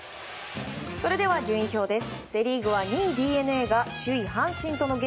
それでは順位表です。